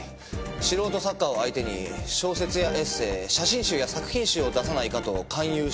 素人作家を相手に小説やエッセー写真集や作品集を出さないかと勧誘していたそうです。